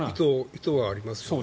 意図はありますよね。